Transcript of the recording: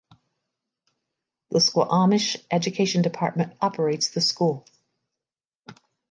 The Squamish education department operates the school.